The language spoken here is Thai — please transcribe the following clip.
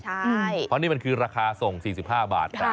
ใช่เพราะนี่มันคือราคาส่ง๔๕บาท